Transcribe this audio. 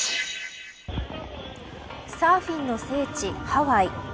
サーフィンの聖地、ハワイ。